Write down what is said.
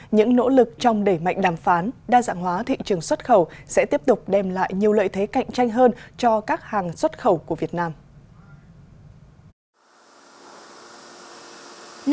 những nỗ lực trong đẩy mạnh đàm phán đa dạng hóa thị trường xuất khẩu sẽ tiếp tục đem lại nhiều lợi thế cạnh tranh hơn cho các hàng xuất khẩu của việt nam